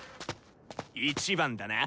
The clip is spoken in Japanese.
１番だな！